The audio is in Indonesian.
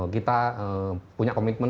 kita punya komitmen